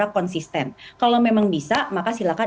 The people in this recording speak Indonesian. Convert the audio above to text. konsisten kalau memang bisa maka silakan